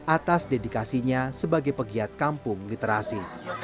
atas dedikasinya sebagai pegiat kampung literasi